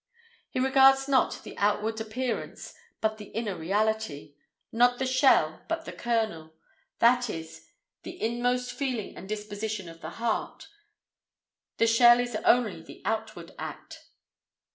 He regards not the outward appearance, but the inner reality; not the shell, but the kernel; that is, the inmost feeling and disposition of the heart; the shell is only the outward act.